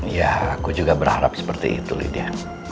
ya aku juga berharap seperti itu lydia